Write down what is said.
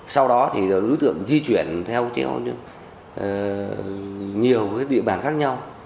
sau đó thì đối tượng di chuyển theo nhiều địa bàn khác nhau